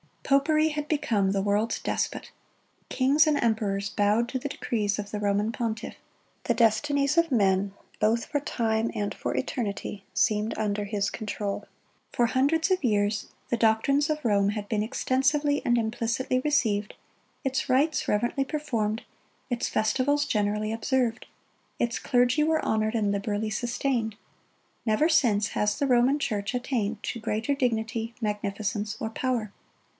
Popery had become the world's despot. Kings and emperors bowed to the decrees of the Roman pontiff. The destinies of men, both for time and for eternity, seemed under his control. For hundreds of years the doctrines of Rome had been extensively and implicitly received, its rites reverently performed, its festivals generally observed. Its clergy were honored and liberally sustained. Never since has the Roman Church attained to greater dignity, magnificence, or power.